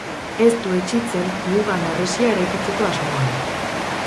Ez du etsitzen mugan harresia eraikitzeko asmoan.